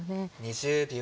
２０秒。